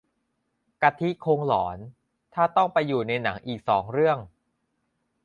กะทิคงหลอนถ้าต้องไปอยู่ในหนังอีกสองเรื่อง